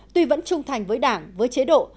tuy vẫn trung thành với đảng với chế độ